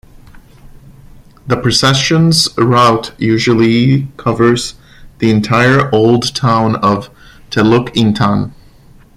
The procession's route usually covers the entire old town of Teluk Intan.